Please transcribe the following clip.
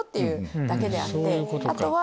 あとは。